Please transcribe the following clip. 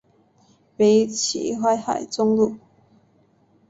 北起淮海中路。